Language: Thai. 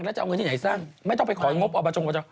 แล้วจะเอาเงินที่ไหนสร้างไม่ต้องไปของงบอบจง